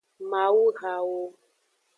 Mawuhawo.